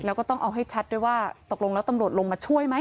แล้วก็ต้องเอาให้ชัดด้วยว่าตกลงแล้วตำรวจลงมาช่วยไหม